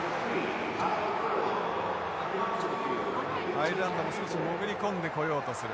アイルランドも少しのめり込んでこようとする。